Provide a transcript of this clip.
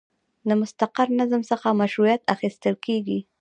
له مستقر نظم څخه مشروعیت اخیستل کیږي.